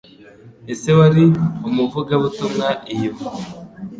ise wari umuvugabutumwa iyo